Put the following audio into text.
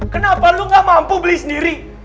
kenapa lu gak mampu beli sendiri